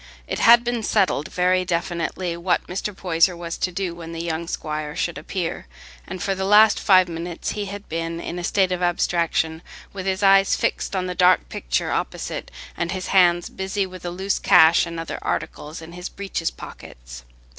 It had been settled very definitely what Mr. Poyser was to do when the young squire should appear, and for the last five minutes he had been in a state of abstraction, with his eyes fixed on the dark picture opposite, and his hands busy with the loose cash and other articles in his breeches pockets.